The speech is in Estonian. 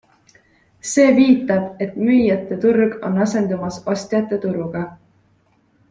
See viitab, et müüjate turg on asendumas ostjate turuga.